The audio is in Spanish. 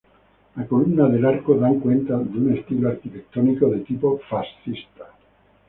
Las columnas del arco dan cuenta de un estilo arquitectónico de tipo fascista.